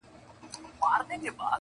دا په وينو روزل سوی چمن زما دی-